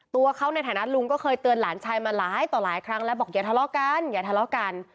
ตัวเขาในฐานะลุงก็เคยเตือนหลานชายมาหลายต่อหลายครั้งแล้วบอกอย่าทะเลาะกันอย่าทะเลาะกัน